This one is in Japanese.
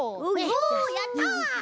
おやった！